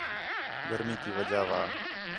گرمی تی وجہ وَا